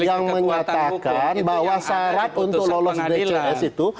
yang menyatakan bahwa syarat untuk lolos dcs itu